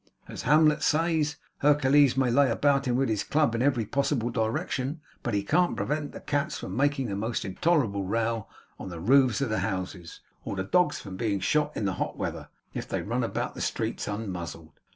As Hamlet says, Hercules may lay about him with his club in every possible direction, but he can't prevent the cats from making a most intolerable row on the roofs of the houses, or the dogs from being shot in the hot weather if they run about the streets unmuzzled.